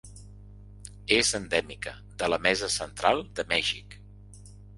És endèmica de la Mesa Central de Mèxic.